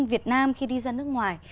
việt nam khi đi ra nước ngoài